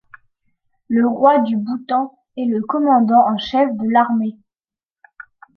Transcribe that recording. Le roi du Bhoutan est le commandant en chef de l'armée.